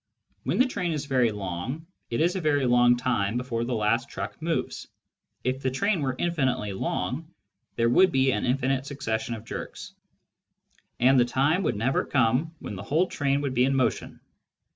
When the train is very long, it is a very long time before the last truck moves. If the train were infinitely long, there would be an infinite succession of jerks, and the time would never come when the whole train would be in motion.